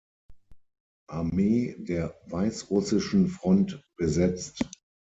Armee der Weißrussischen Front besetzt.